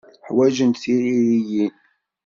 Ḥwajent tiririyin.